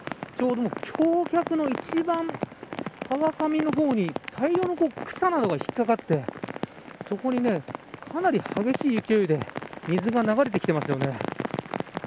市内を流れる川ですけれどもちょうど橋脚の一番川上の方に大量の草などが引っ掛かってそこに、かなり激しい勢いで水が流れてきてますよね。